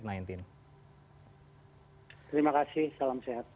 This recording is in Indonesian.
terima kasih salam sehat